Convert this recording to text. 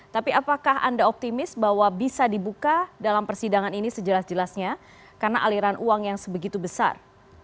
tapi apakah anda optimis bahwa bisa dibuka dalam persidangan ini sejelas jelasnya karena aliran uang yang sebegitu besar